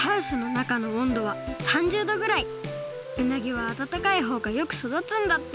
うなぎは暖かいほうがよく育つんだって。